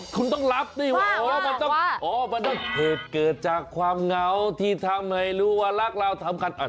คุณต้องรับนี่ว่ามันต้องเห็ดเกิดจากความเหงาที่ทำให้รู้ว่ารากราวสำคัญ